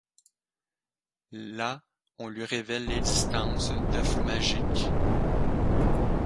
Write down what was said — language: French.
Là, on lui révèle l'existence d'œufs magiques.